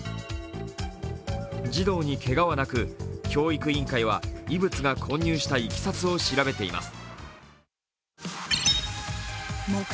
児童にけがはなく、教育委員会は異物が混入したいきさつを調べています。